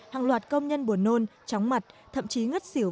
hàng loạt công nhân buồn nôn chóng mặt thậm chí ngất xỉu